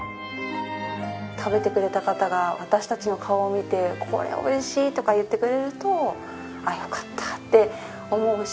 食べてくれた方が私たちの顔を見て「これおいしい！」とか言ってくれるとよかったって思うし。